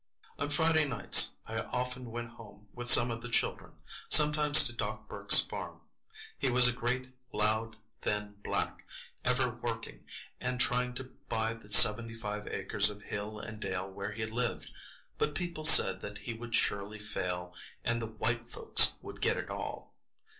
On Friday nights I often went home with some of the children,—sometimes to Doc Burke's farm. He was a great, loud, thin Black, ever working, and trying to buy the seventy five acres of hill and dale where he lived; but people said that he would surely fail, and the "white folks would get it all."